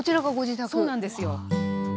そうなんですよ。